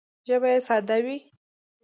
ژبه یې ساده وي